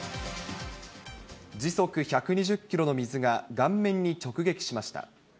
時速１２０キロの水が顔面に直撃しました。